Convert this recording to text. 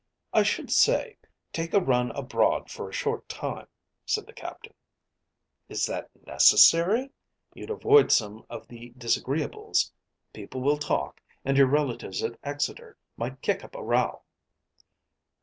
"I should say, take a run abroad for a short time," said the Captain. "Is that necessary?" "You'd avoid some of the disagreeables. People will talk, and your relatives at Exeter might kick up a row."